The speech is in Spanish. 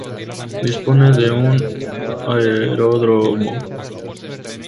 Dispone de un aeródromo.